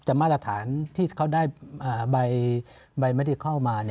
มาตรฐานที่เขาได้ใบไม่ได้เข้ามา